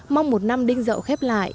mong một năm đinh dậu khép lại